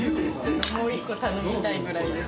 もう１個頼みたいです。